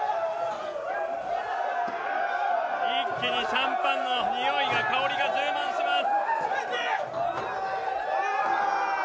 一気にシャンパンのにおいが、香りが充満します。